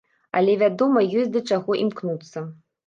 Але, вядома, ёсць да чаго імкнуцца.